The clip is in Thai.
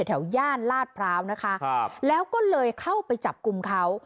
ย่านลาดพร้าวนะคะครับแล้วก็เลยเข้าไปจับกลุ่มเขา